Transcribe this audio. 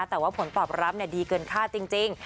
แต่ว่าผลตอบรับดีเกินค่าจริง